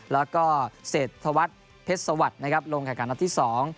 แล้วก็เศรษฐวัฒน์เพศสวรรค์นะครับลงกับการรอบที่สอง